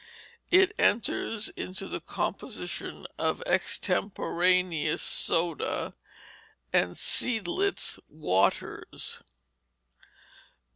It enters into the composition of extemporaneous soda and Seidlitz waters.